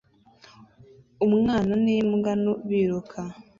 Umwana n'imbwa nto biruka